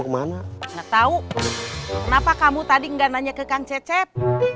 kenapa kamu tadi nggak nanya ke kang cecep